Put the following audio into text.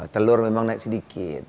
telur memang naik sedikit